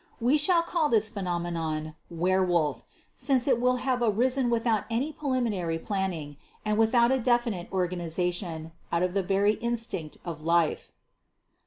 We shall call this phenomenon "Werewolf" since it will have arisen without any preliminary planning and without a definite organization, out of the very instinct of life."